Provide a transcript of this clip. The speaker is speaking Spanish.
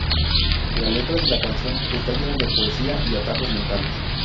La letra de la canción está llena de poesía y atajos mentales.